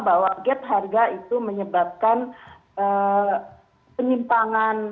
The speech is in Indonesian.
bahwa gap harga itu menyebabkan penyimpangan